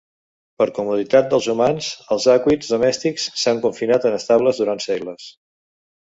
Per comoditat dels humans els èquids domèstics s'han confinat en estables durant segles.